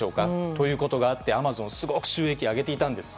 ということがあり、アマゾンはすごく収益を上げていたんです。